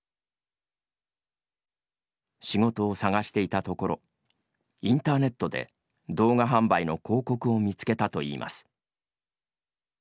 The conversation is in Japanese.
仕事を探していたところインターネットで動画販売の広告を見つけたといいます。